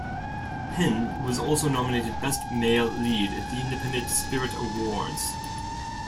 Penn also was nominated Best Male Lead at the Independent Spirit Awards.